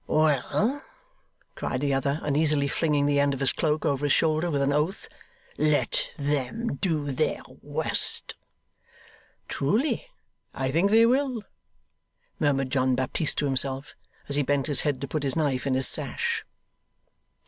'Well,' cried the other, uneasily flinging the end of his cloak over his shoulder with an oath, 'let them do their worst!' 'Truly I think they will,' murmured John Baptist to himself, as he bent his head to put his knife in his sash.